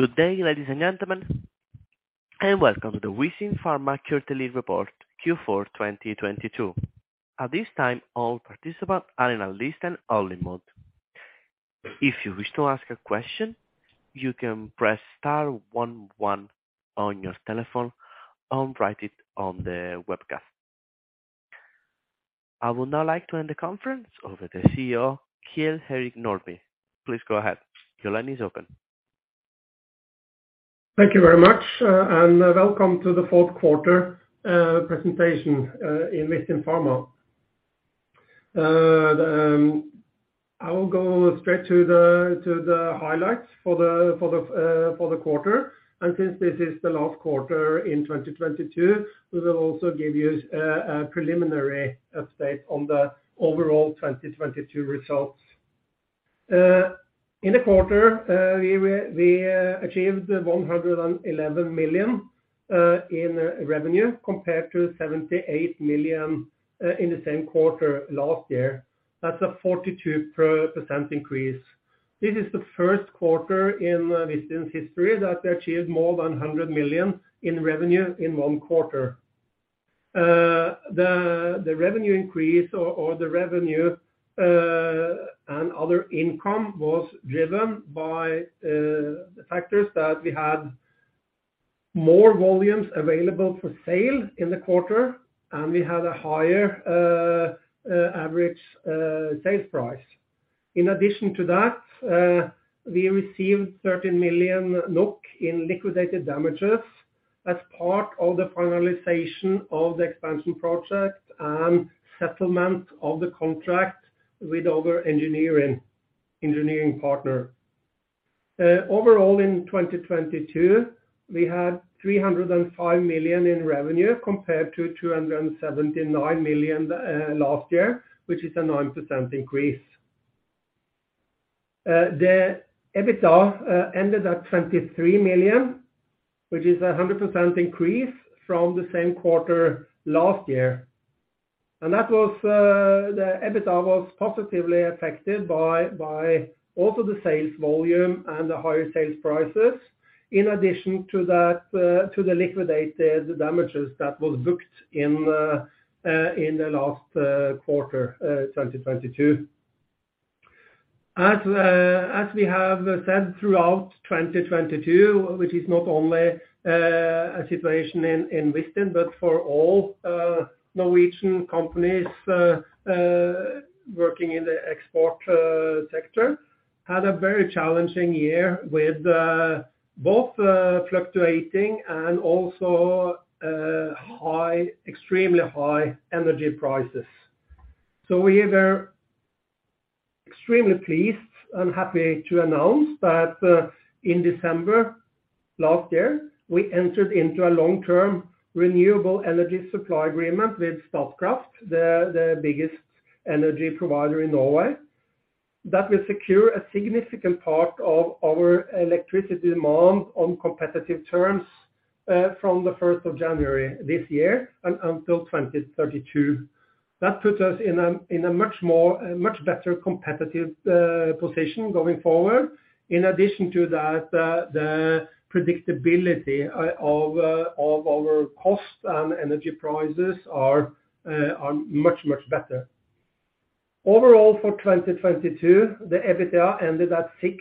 Good day, ladies and gentlemen, welcome to the Vistin Pharma quarterly report Q4 2022. At this time, all participants are in a listen-only mode. If you wish to ask a question, you can press star one one on your telephone or write it on the webcast. I would now like to hand the conference over to CEO, Kjell-Erik Nordby. Please go ahead. Your line is open. Thank you very much, and welcome to the fourth quarter presentation in Vistin Pharma. I will go straight to the highlights for the quarter. Since this is the last quarter in 2022, we will also give you a preliminary update on the overall 2022 results. In the quarter, we achieved 111 million in revenue compared to 78 million in the same quarter last year. That's a 42% increase. This is the first quarter in Vistin's history that achieved more than 100 million in revenue in one quarter. The revenue increase or the revenue and other income was driven by the factors that we had more volumes available for sale in the quarter, and we had a higher average sales price. In addition to that, we received 30 million NOK in liquidated damages as part of the finalization of the expansion project and settlement of the contract with our engineering partner. Overall in 2022, we had 305 million in revenue compared to 279 million last year, which is a 9% increase. The EBITDA ended at 23 million, which is a 100% increase from the same quarter last year. That was the EBITDA was positively affected by also the sales volume and the higher sales prices, In addition to that, to the liquidated damages that was booked in Q4 2022. As we have said throughout 2022, which is not only a situation in Vistin but for all Norwegian companies working in the export sector, had a very challenging year with both fluctuating and also extremely high energy prices. So we are extremely pleased and happy to announce that in December last year, we entered into a long-term renewable energy supply agreement with Statkraft, the biggest energy provider in Norway. That will secure a significant part of our electricity demand on competitive terms from January 1 this year until 2032. That puts us in a much more, a much better competitive position going forward. In addition to that, the predictability of our costs and energy prices are much, much better. Overall, for 2022, the EBITDA ended at 6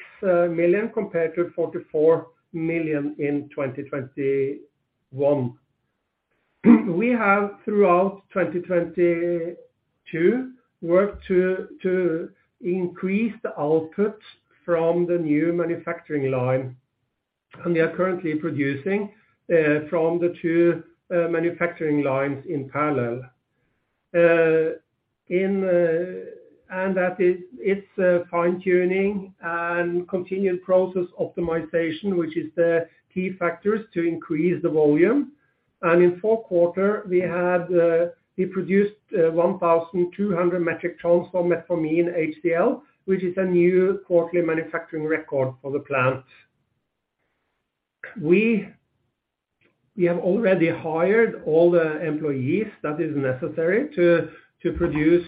million compared to 44 million in 2021. We have throughout 2022 worked to increase the output from the new manufacturing line, and we are currently producing from the two manufacturing lines in parallel. That is, it's fine-tuning and continued process optimization, which is the key factors to increase the volume. In fourth quarter we had, we produced 1,200 metric tons for Metformin HCl, which is a new quarterly manufacturing record for the plant. We have already hired all the employees that is necessary to produce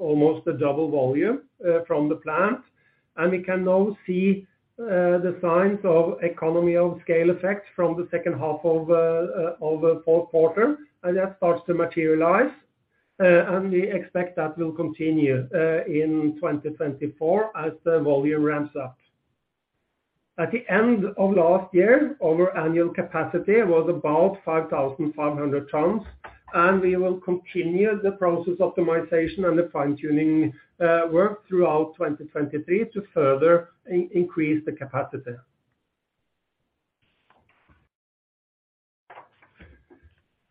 almost a double volume from the plant. We can now see the signs of economy of scale effects from the second half of fourth quarter. That starts to materialize. We expect that will continue in 2024 as the volume ramps up. At the end of last year, our annual capacity was about 5,500 tons, and we will continue the process optimization and the fine-tuning work throughout 2023 to further increase the capacity.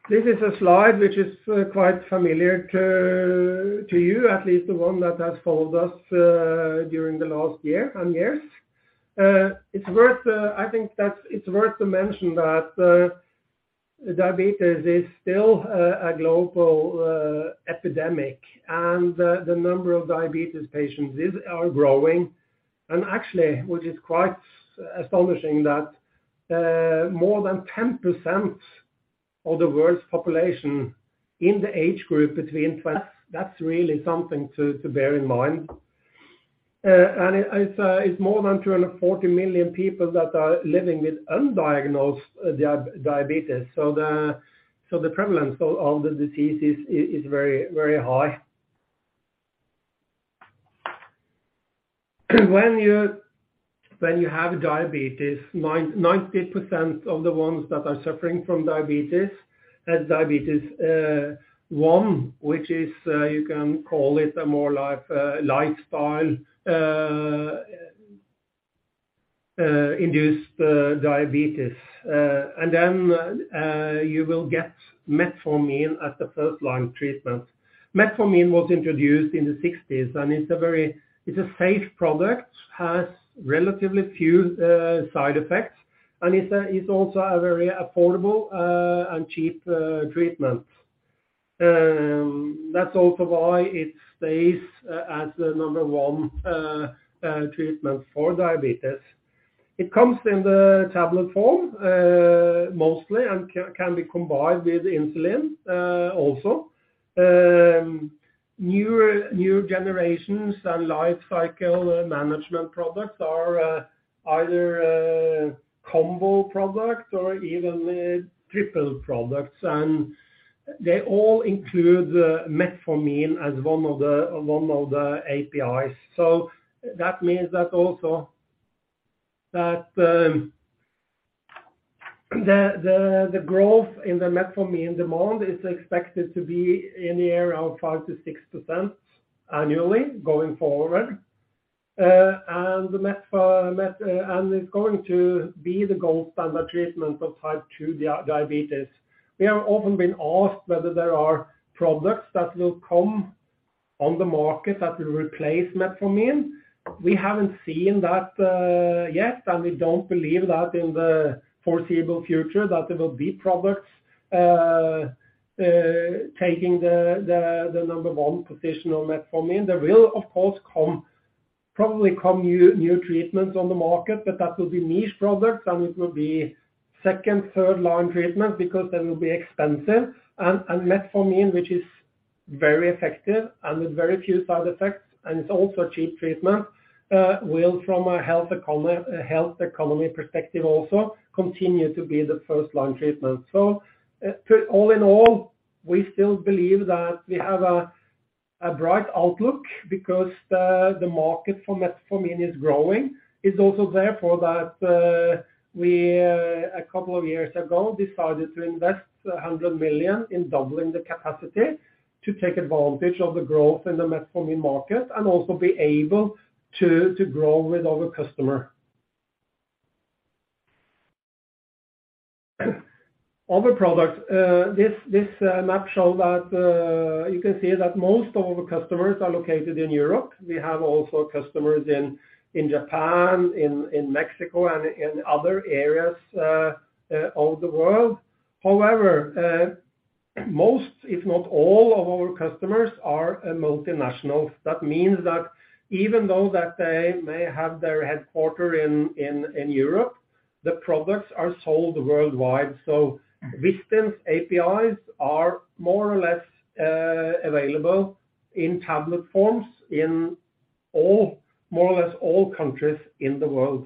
This is a slide which is quite familiar to you, at least the one that has followed us during the last year and years. It's worth, I think that it's worth to mention that diabetes is still a global epidemic and the number of diabetes patients are growing. Actually, which is quite astonishing that more than 10% of the world's population in the age group between That's really something to bear in mind. It's more than 240 million people that are living with undiagnosed diabetes. The prevalence of the disease is very, very high. When you have diabetes, 90% of the ones that are suffering from diabetes has diabetes one, which is you can call it a more life lifestyle induced diabetes. You will get Metformin as the first-line treatment. Metformin was introduced in the sixties, and it's a safe product, has relatively few side effects, and it's also a very affordable and cheap treatment. That's also why it stays as the number one treatment for diabetes. It comes in the tablet form, mostly, and can be combined with insulin also. New generations and life cycle management products are either combo products or even triple products. They all include Metformin as one of the APIs. That means that also that the growth in the Metformin demand is expected to be in the area of 5%-6% annually going forward. It's going to be the gold standard treatment of Type 2 diabetes. We have often been asked whether there are products that will come on the market that will replace Metformin. We haven't seen that yet, and we don't believe that in the foreseeable future that there will be products, taking the number one position of Metformin. There will of course probably come new treatments on the market, but that will be niche products, and it will be second, third-line treatment because they will be expensive. Metformin, which is very effective and with very few side effects, and it's also a cheap treatment, will from a health economy perspective also continue to be the first-line treatment. All in all, we still believe that we have a bright outlook because the market for Metformin is growing. It's also therefore that we, a couple of years ago, decided to invest 100 million in doubling the capacity to take advantage of the growth in the Metformin market and also be able to grow with our customer. Other products. This map show that you can see that most of our customers are located in Europe. We have also customers in Japan, in Mexico, and in other areas of the world. However, most, if not all of our customers are multinationals. That means that even though that they may have their headquarter in Europe, the products are sold worldwide. Vistin's APIs are more or less available in tablet forms in more or less all countries in the world.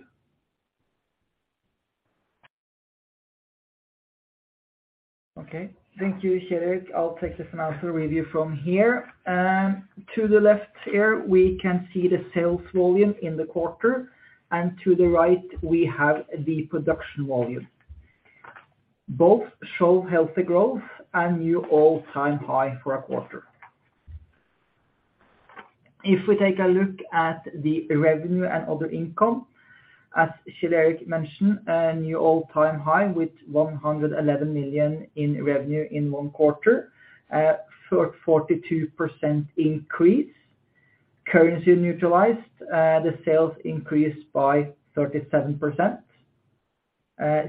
Okay. Thank you, Fredrik. I'll take this now to review from here. To the left here, we can see the sales volume in the quarter. To the right, we have the production volume. Both show healthy growth and new all-time high for a quarter. If we take a look at the revenue and other income, as Fredrik mentioned, a new all-time high with 111 million in revenue in one quarter at 42% increase. Currency neutralized, the sales increased by 37%.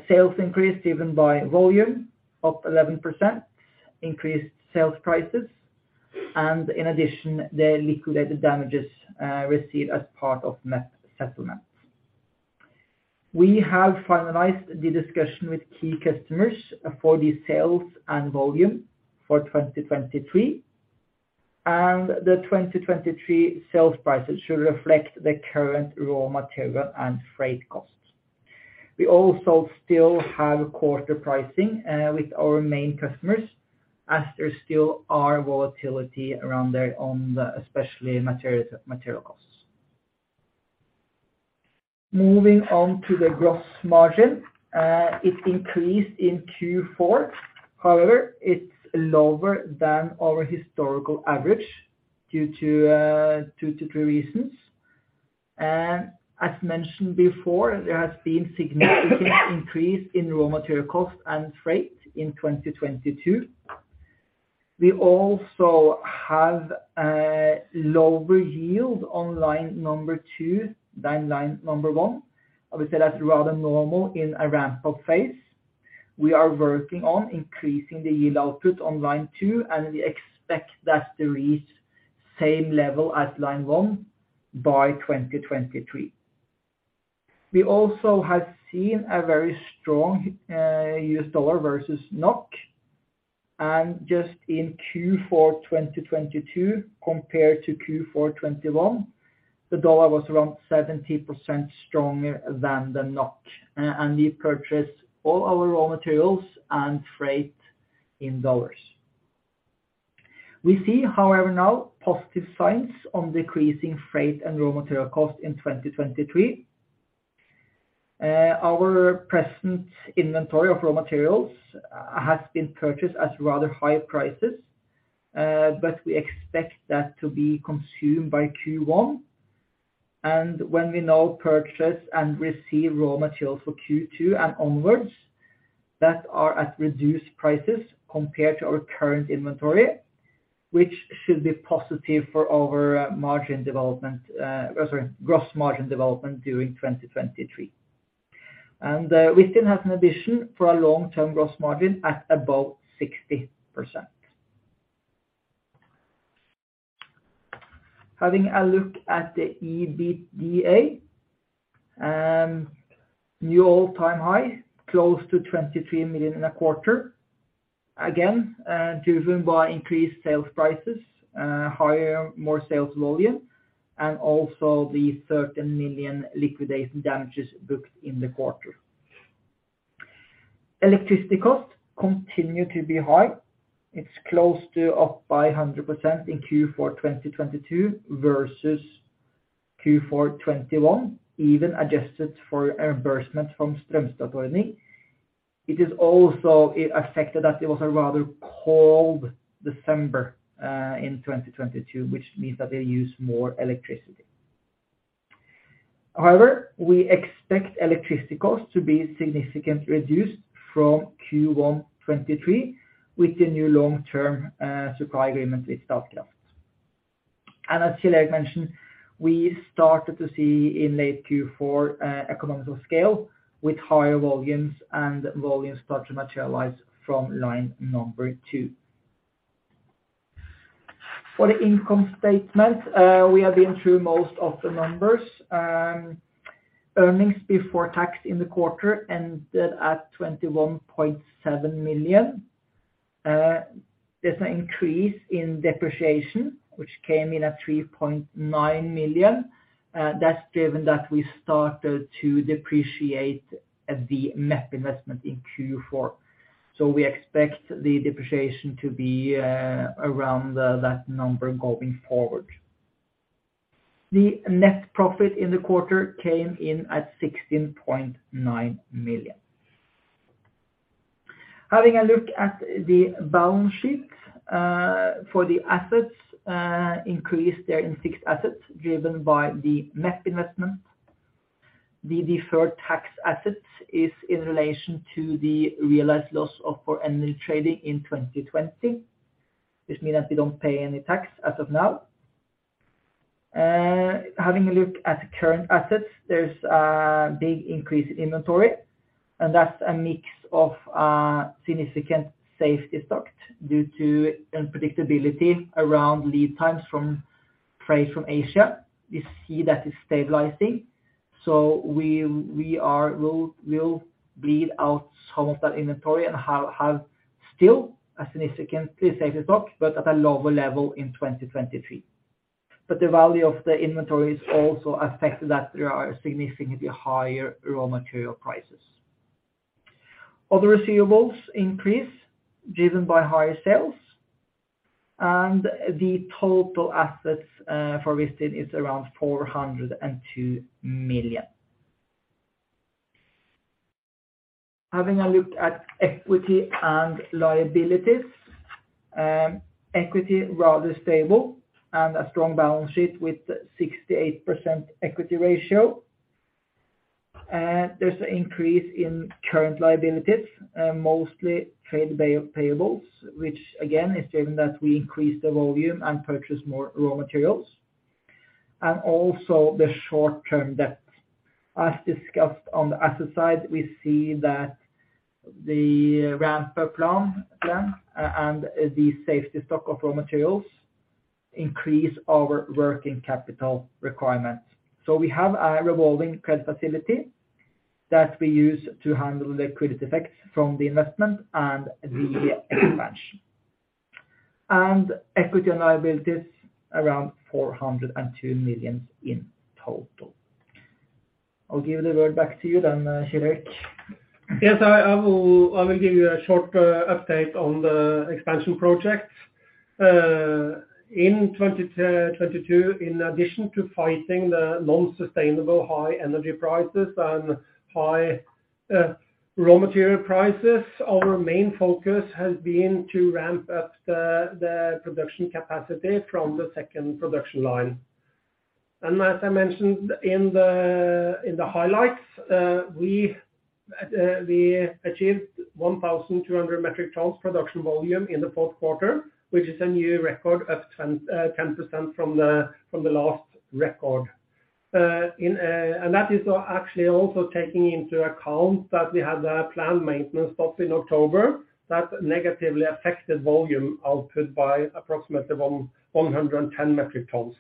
Sales increased even by volume, up 11%, increased sales prices. In addition, the liquidated damages received as part of MEP settlement. We have finalized the discussion with key customers for the sales and volume for 2023. The 2023 sales prices should reflect the current raw material and freight costs. We also still have quarter pricing with our main customers as there still are volatility around there on the, especially materials, material costs. Moving on to the gross margin. It increased in Q4. However, it's lower than our historical average due to two to three reasons. As mentioned before, there has been significant increase in raw material cost and freight in 2022. We also have a lower yield on line number two than line number one. Obviously, that's rather normal in a ramp-up phase. We are working on increasing the yield output on line three, and we expect that to reach same level as line one by 2023. We also have seen a very strong U.S. dollar versus NOK. Just in Q4 2022 compared to Q4 2021, the dollar was around 70% stronger than the NOK, we purchased all our raw materials and freight in dollars. We see, however, now positive signs on decreasing freight and raw material costs in 2023. Our present inventory of raw materials has been purchased at rather high prices, we expect that to be consumed by Q1. When we now purchase and receive raw materials for Q2 and onwards that are at reduced prices compared to our current inventory, which should be positive for our margin development, sorry, gross margin development during 2023. We still have an addition for our long-term gross margin at above 60%. Having a look at the EBITDA, new all-time high, close to 23 million in a quarter, again, driven by increased sales prices, more sales volume, and also the 13 million liquidation damages booked in the quarter. Electricity costs continue to be high. It's close to up by 100% in Q4 2022 versus Q4 2021, even adjusted for reimbursement from It is also affected that it was a rather cold December in 2022, which means that they use more electricity. However, we expect electricity costs to be significantly reduced from Q1 2023 with the new long-term supply agreement with Statkraft. As Kjell-Erik mentioned, we started to see in late Q4 economies of scale with higher volumes, and volumes start to materialize from line number two. For the income statement, we have been through most of the numbers. Earnings before tax in the quarter ended at 21.7 million. There's an increase in depreciation, which came in at 3.9 million. That's driven that we started to depreciate the MEP investment in Q4. We expect the depreciation to be around that number going forward. The net profit in the quarter came in at 16.9 million. Having a look at the balance sheet, for the assets, increase there in fixed assets driven by the MEP investment. The deferred tax assets is in relation to the realized loss of our energy trading in 2020, which means that we don't pay any tax as of now. Having a look at current assets, there's a big increase in inventory, and that's a mix of significant safety stock due to unpredictability around lead times from freight from Asia. We see that it's stabilizing. We will bleed out some of that inventory and have still a significantly safety stock, but at a lower level in 2023. The value of the inventory is also affected that there are significantly higher raw material prices. Other receivables increase driven by higher sales, and the total assets for Vistin is around 402 million. Having a look at equity and liabilities, equity rather stable and a strong balance sheet with 68% equity ratio. There's an increase in current liabilities, mostly trade payables, which again is driven that we increase the volume and purchase more raw materials, and also the short-term debt. As discussed on the asset side, we see that the ramp-up plan and the safety stock of raw materials increase our working capital requirements. We have a revolving credit facility that we use to handle liquidity effects from the investment and the expansion. Equity and liabilities around 402 million in total. I'll give the word back to you then, Kjell-Erik Nordby. Yes, I will give you a short update on the expansion project. In 2022, in addition to fighting the non-sustainable high energy prices and high raw material prices, our main focus has been to ramp up the production capacity from the second production line. As I mentioned in the highlights, we achieved 1,200 metric tons production volume in the fourth quarter, which is a new record up 10% from the last record. That is actually also taking into account that we had a planned maintenance stop in October that negatively affected volume output by approximately 110 metric tons.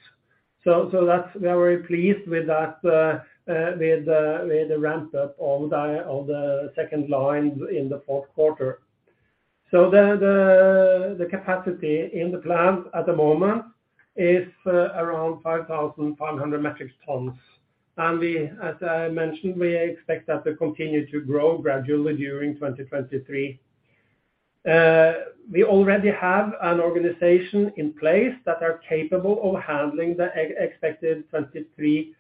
That's. We are very pleased with that, with the ramp-up of the second line in the fourth quarter. The capacity in the plant at the moment is around 5,500 metric tons. We, as I mentioned, we expect that to continue to grow gradually during 2023. We already have an organization in place that are capable of handling the expected 2023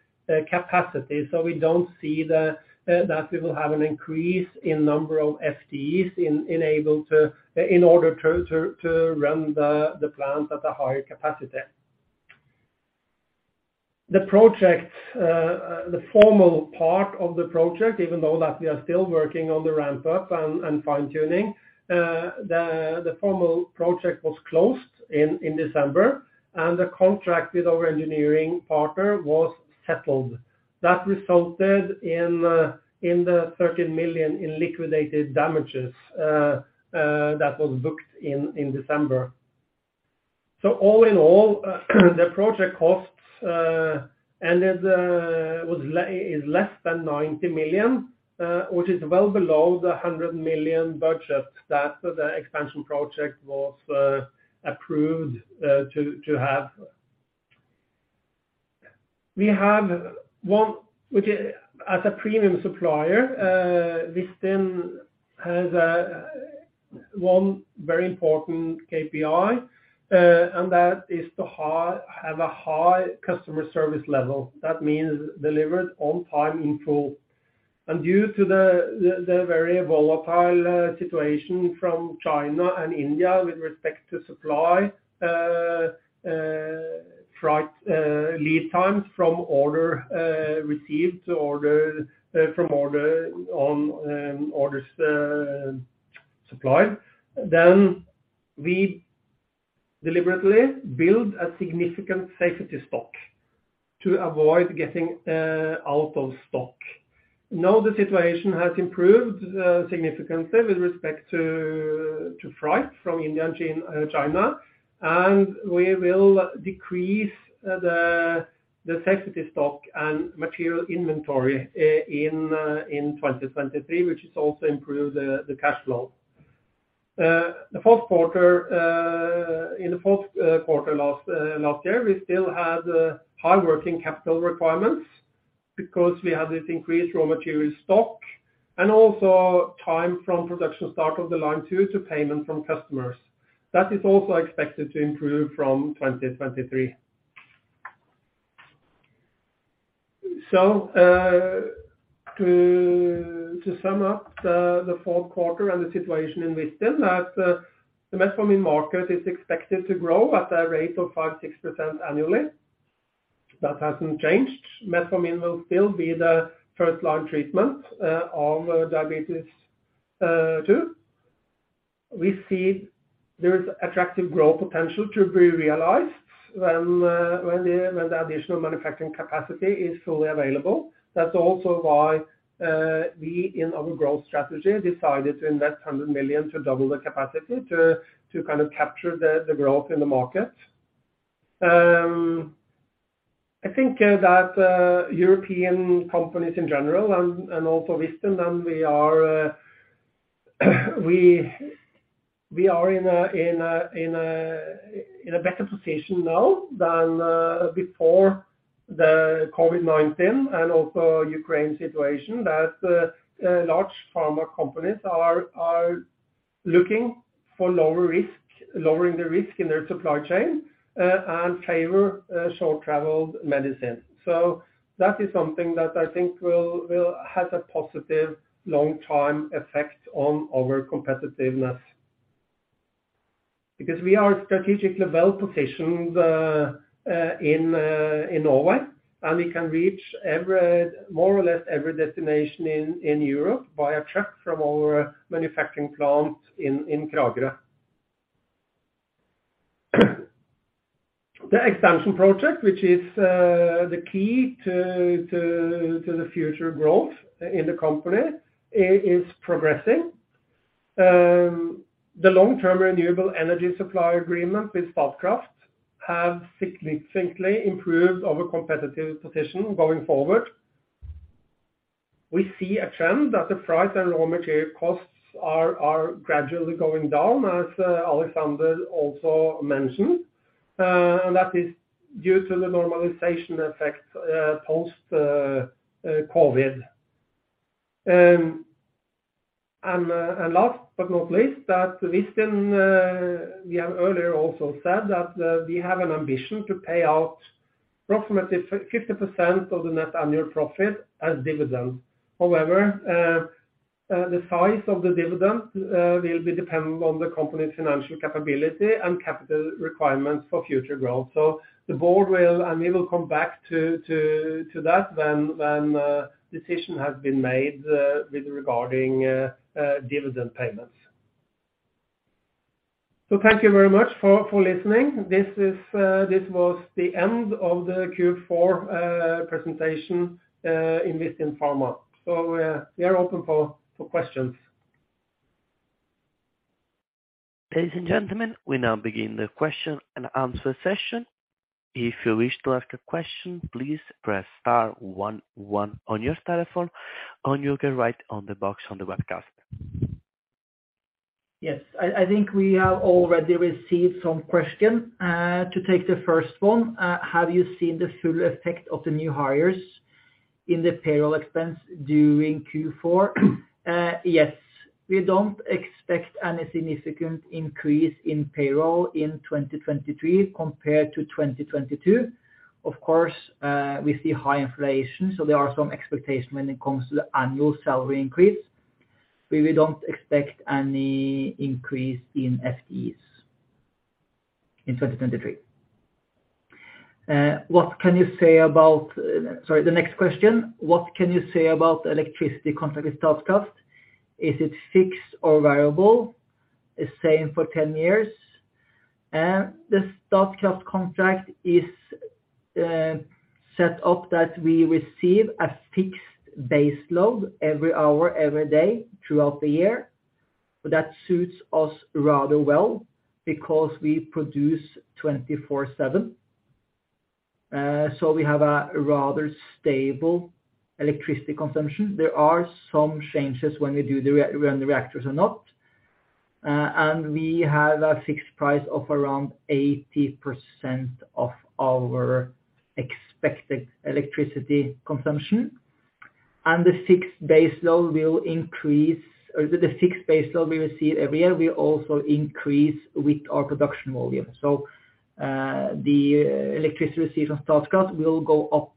capacity. We don't see that we will have an increase in number of FTEs in order to run the plant at a higher capacity. The project, the formal part of the project, even though that we are still working on the ramp-up and fine-tuning, the formal project was closed in December, and the contract with our engineering partner was settled. That resulted in the 13 million in liquidated damages that was booked in December. All in all, the project costs ended, is less than 90 million, which is well below the 100 million budget that the expansion project was approved to have. We have one which as a premium supplier, Vistin has one very important KPI, and that is to have a high customer service level. That means delivered on time in full. Due to the very volatile situation from China and India with respect to supply, freight, lead times from order received to order, from order on, orders supplied, then we deliberately build a significant safety stock to avoid getting out of stock. Now the situation has improved significantly with respect to freight from India and China. We will decrease the safety stock and material inventory in 2023, which has also improved the cash flow. The fourth quarter, in the fourth quarter last year, we still had high working capital requirements because we had this increased raw material stock and also time from production start of the line two to payment from customers. That is also expected to improve from 2023. To sum up the fourth quarter and the situation in Vistin, that the Metformin market is expected to grow at a rate of 5%, 6% annually. That hasn't changed. Metformin will still be the first-line treatment of diabetes 2. We see there is attractive growth potential to be realized when the additional manufacturing capacity is fully available. That's also why we in our growth strategy decided to invest 100 million to double the capacity to kind of capture the growth in the market. I think that European companies in general and also Vistin, then we are in a better position now than before the COVID-19 and also Ukraine situation, that large pharma companies are looking for lower risk, lowering the risk in their supply chain and favor short-traveled medicine. That is something that I think will have a positive long-term effect on our competitiveness. Because we are strategically well positioned, in Norway, and we can reach every, more or less every destination in Europe via truck from our manufacturing plant in Kragerø. The expansion project, which is the key to the future growth in the company, is progressing. The long-term renewable energy supply agreement with Statkraft has significantly improved our competitive position going forward. We see a trend that the freight and raw material costs are gradually going down, as Alexander also mentioned, and that is due to the normalization effect, post COVID. Last but not least, that Vistin, we have earlier also said that we have an ambition to pay out approximately 50% of the net annual profit as dividends. However, the size of the dividend will be dependent on the company's financial capability and capital requirements for future growth. The board will, and we will come back to that when decision has been made with regarding dividend payments. Thank you very much for listening. This is, this was the end of the Q4 presentation in Vistin Pharma. We are open for questions. Ladies and gentlemen, we now begin the question and answer session. If you wish to ask a question, please press star one one on your telephone and you'll get right on the box on the webcast. Yes. I think we have already received some question. To take the first one, have you seen the full effect of the new hires in the payroll expense during Q4? Yes. We don't expect any significant increase in payroll in 2023 compared to 2022. Of course, we see high inflation, so there are some expectation when it comes to the annual salary increase. We don't expect any increase in FTEs in 2023. What can you say about... Sorry, the next question. What can you say about electricity contract with Statkraft? Is it fixed or variable? The same for 10 years. The Statkraft contract is set up that we receive a fixed base load every hour, every day throughout the year. That suits us rather well because we produce 24/7. We have a rather stable electricity consumption. There are some changes when we do when the reactors are not. We have a fixed price of around 80% of our expected electricity consumption. The fixed base load will increase, or the fixed base load we receive every year will also increase with our production volume. The electricity received from Statkraft will go up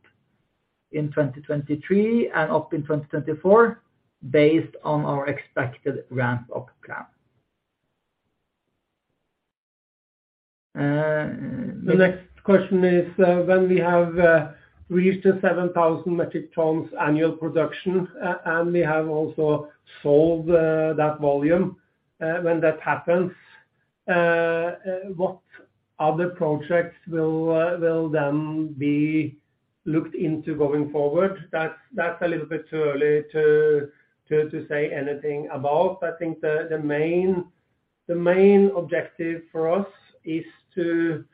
in 2023 and up in 2024 based on our expected ramp up plan. The next question is, when we have reached the 7,000 metric tons annual production, and we have also sold that volume, when that happens, what other projects will then be looked into going forward? That's a little bit too early to say anything about. I think the main objective for us is to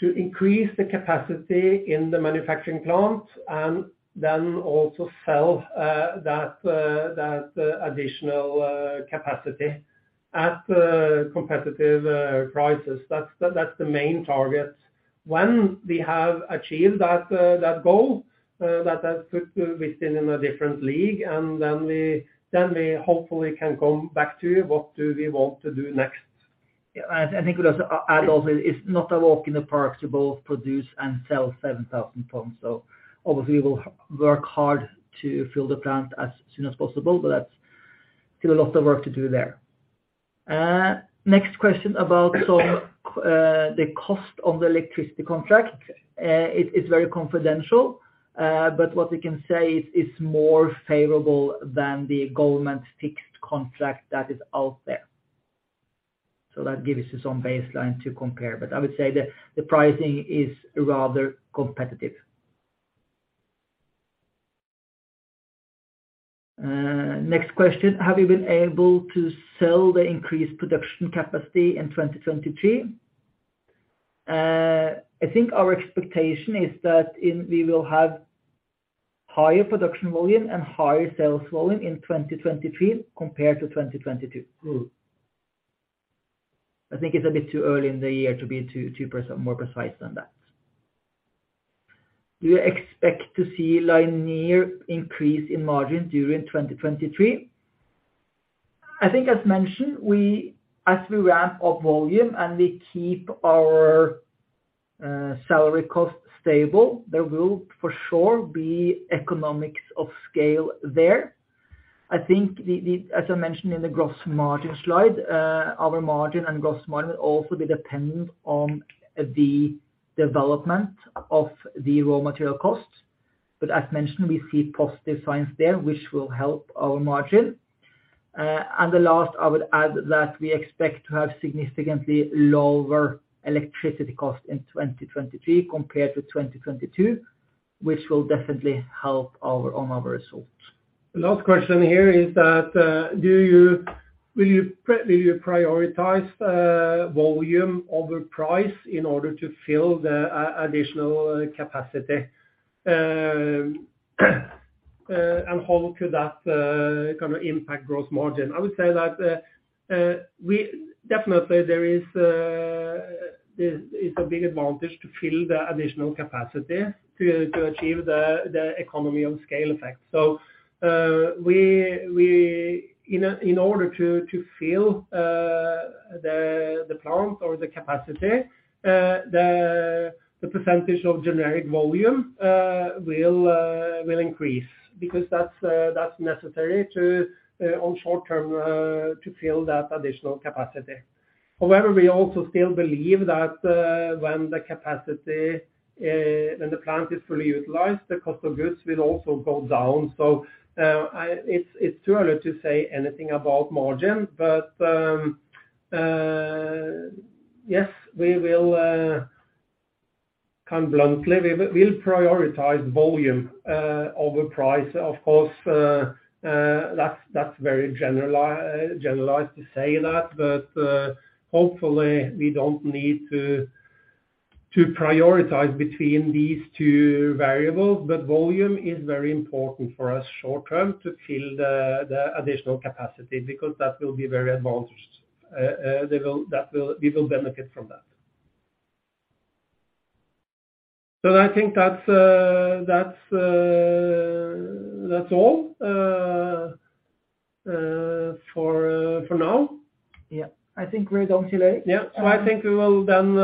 increase the capacity in the manufacturing plant and then also sell that additional capacity at competitive prices. That's the main target. When we have achieved that goal, that has put Vistin in a different league, and then we hopefully can come back to what do we want to do next. I think we just add also, it's not a walk in the park to both produce and sell 7,000 tons. Obviously, we'll work hard to fill the plant as soon as possible, but that's still a lot of work to do there. Next question about the cost of the electricity contract. It is very confidential, but what we can say is it's more favorable than the government fixed contract that is out there. That gives you some baseline to compare. I would say the pricing is rather competitive. Next question, have you been able to sell the increased production capacity in 2023? I think our expectation is that we will have higher production volume and higher sales volume in 2023 compared to 2022. I think it's a bit too early in the year to be too precise, more precise than that. Do you expect to see linear increase in margin during 2023? I think as mentioned, as we ramp up volume and we keep our salary costs stable, there will for sure be economics of scale there. I think the as I mentioned in the gross margin slide, our margin and gross margin will also be dependent on the development of the raw material costs. As mentioned, we see positive signs there, which will help our margin. The last I would add that we expect to have significantly lower electricity cost in 2023 compared to 2022, which will definitely help our, on our results. The last question here is that, will you prioritize volume over price in order to fill the additional capacity? How could that kinda impact gross margin? I would say that, Definitely there is a big advantage to fill the additional capacity to achieve the economy of scale effect. We in order to fill the plant or the capacity, the percentage of generic volume will increase because that's necessary on short-term to fill that additional capacity. However, we also still believe that when the capacity, when the plant is fully utilized, the cost of goods will also go down. It's too early to say anything about margin. Yes, we will kind of bluntly, we'll prioritize volume over price. Of course, that's very generalized to say that. Hopefully we don't need to prioritize between these two variables. Volume is very important for us short-term to fill the additional capacity because that will be very advantageous. We will benefit from that. I think that's all for now. Yeah. I think we're done today. Yeah. I think we will then,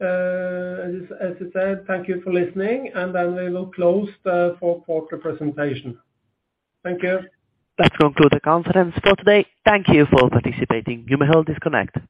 as I said, thank you for listening, and then we will close the fourth quarter presentation. Thank you. That concludes the conference call today. Thank you for participating. You may all disconnect.